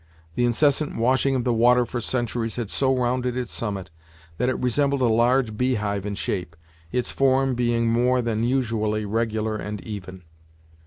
The incessant washing of the water for centuries had so rounded its summit, that it resembled a large beehive in shape, its form being more than usually regular and even.